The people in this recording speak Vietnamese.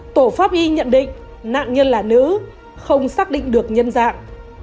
tổ pháp y nhận định nạn nhân là nữ không xác định được nhân dạng